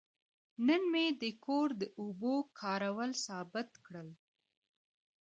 نن مې د کور د اوبو کارول ثابت کړل.